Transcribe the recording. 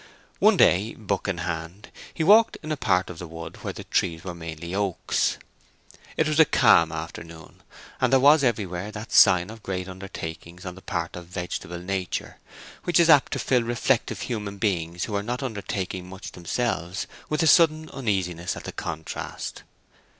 One day, book in hand, he walked in a part of the wood where the trees were mainly oaks. It was a calm afternoon, and there was everywhere around that sign of great undertakings on the part of vegetable nature which is apt to fill reflective human beings who are not undertaking much themselves with a sudden uneasiness at the contrast.